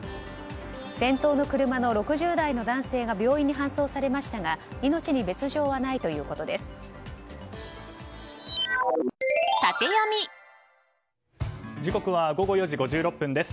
先頭の車の６０代の男性が病院に搬送されましたが命に別条はないということです。